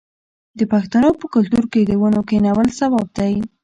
د پښتنو په کلتور کې د ونو کینول ثواب دی.